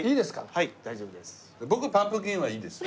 はい大丈夫です。